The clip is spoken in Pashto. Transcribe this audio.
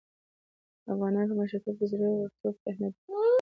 افغانان په مشرتوب کې زړه ورتوب ته اهميت ورکوي.